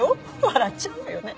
笑っちゃうわよね。